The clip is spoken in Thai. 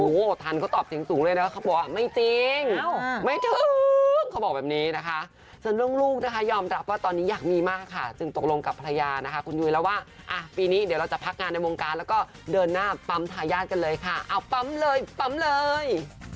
โอ้โหทันเขาตอบเสียงสูงเลยนะเขาบอกว่าไม่จริงไม่ถึงเขาบอกแบบนี้นะคะส่วนเรื่องลูกนะคะยอมรับว่าตอนนี้อยากมีมากค่ะจึงตกลงกับภรรยานะคะคุณยุ้ยแล้วว่าอ่ะปีนี้เดี๋ยวเราจะพักงานในวงการแล้วก็เดินหน้าปั๊มทายาทกันเลยค่ะเอาปั๊มเลยปั๊มเลย